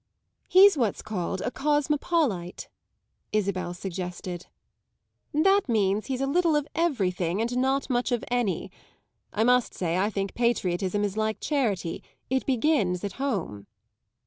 "He's what's called a cosmopolite," Isabel suggested. "That means he's a little of everything and not much of any. I must say I think patriotism is like charity it begins at home."